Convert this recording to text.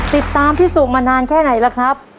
ติดตามพี่สุมานานแค่ไหนล่ะครับ